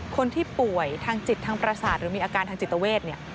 คนที่ป่วยทางจิตทางประสาทหรือมีอาการทางจิตเวทเนี่ย